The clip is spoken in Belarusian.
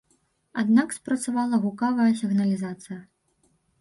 Аднак спрацавала гукавая сігналізацыя.